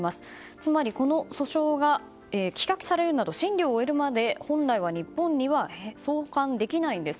つまりこの訴訟が棄却されるなど審理を終えるまで本来は日本には送還できないんです。